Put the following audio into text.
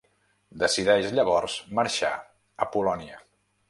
Decideix llavors marxar a Polònia.